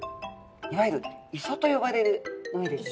いわゆる磯と呼ばれる海ですね。